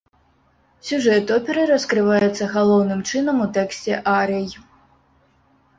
Сюжэт оперы раскрываецца галоўным чынам у тэксце арый.